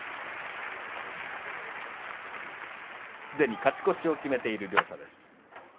すでに勝ち越しを決めている両者です。